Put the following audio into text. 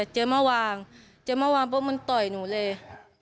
เจอเมื่อวางเพราะมันตอยหนูเลย